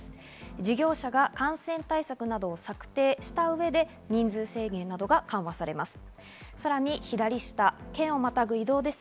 事業者が感染対策などを策定した上で人数制限などは緩和されます。